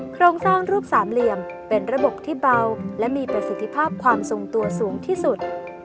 โครงสร้างรูปสามเหลี่ยมเป็นระบบที่เบาและมีประสิทธิภาพความทรงตัวสูงที่สุด